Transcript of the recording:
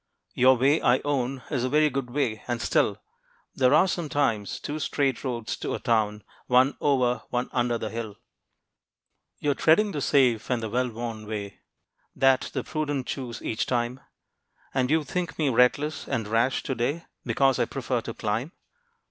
Your way I own Is a very good way. And still, There are sometimes two straight roads to a town, One over, one under the hill. You are treading the safe and the well worn way, That the prudent choose each time; And you think me reckless and rash to day, Because I prefer to climb.